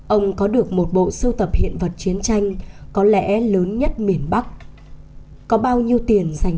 ông có được một bộ sưu tập hiện vật chiến tranh có lẽ lớn nhất miền bắc có bao nhiêu tiền dành